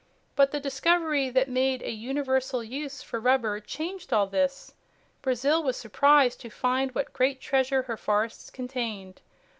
But the discovery that made a universal use for rubber changed all this. Brazil was surprised to find what great treasure her forests contained.